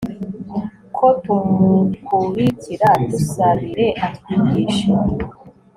ko tumukurikira;; dusabire atwigishe